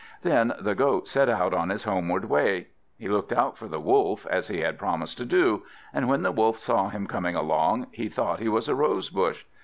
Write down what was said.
Then the Goat set out on his homeward way. He looked out for the Wolf, as he had promised to do; and when the Wolf saw him coming along, he thought he was a rose bush.